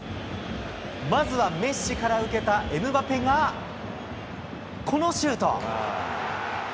まずはメッシから受けたエムバペがこのシュート。